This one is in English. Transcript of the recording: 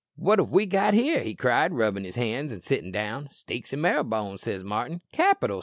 "'What have we got here?' cried he, rubbin' his hands an' sittin' down." "'Steaks an' marrow bones,' says Martin." "'Capital!'